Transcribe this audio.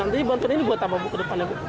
nanti bantuan ini buat apa bu ke depannya bu